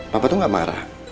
papa tuh gak marah